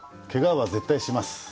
けがは絶対します。